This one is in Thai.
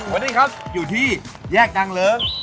วันนี้ครับอยู่ที่แยกนางเลิ้ง